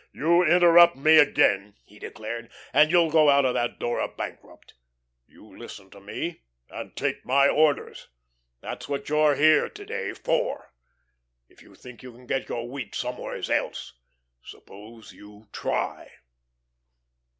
"You interrupt me again," he declared, "and you'll go out of that door a bankrupt. You listen to me and take my orders. That's what you're here to day for. If you think you can get your wheat somewheres else, suppose you try."